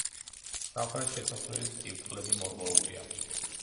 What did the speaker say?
სამხრეთ შესასვლელის წირთხლები მორღვეულია.